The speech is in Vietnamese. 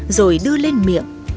rồi đưa lên miệng